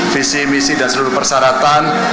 visi misi dan seluruh persyaratan